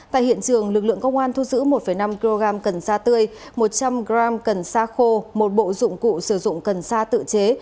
tại hiện trường lực lượng công an thu giữ một năm kg cần sa tươi một trăm linh g cần sa khô một bộ dụng cụ sử dụng cần sa tự chế